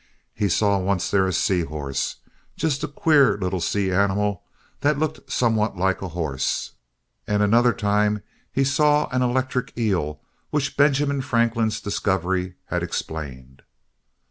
He saw once there a sea horse—just a queer little sea animal that looked somewhat like a horse—and another time he saw an electric eel which Benjamin Franklin's discovery had explained.